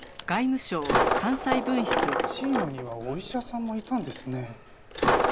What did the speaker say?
チームにはお医者さんもいたんですね。